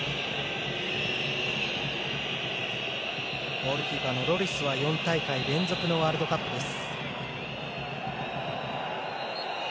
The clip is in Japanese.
ゴールキーパーのロリスは４大会連続のワールドカップです。